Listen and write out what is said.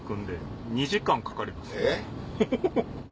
えっ？